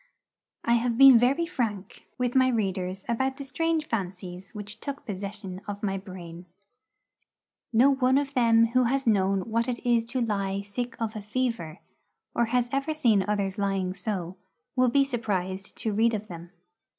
I have been very frank with my readers about the strange fancies which took possession of my brain. No one of them who has known what it is to lie sick of a fever, or has ever seen others lying so, will be surprised to read of them.